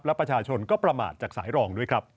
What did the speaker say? และประชาชนก็ประมาทจากสายรองด้วยครับ